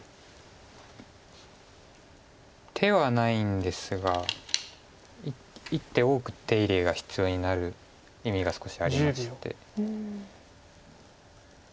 手はないんですが１手多く手入れが必要になる意味が少しありまして。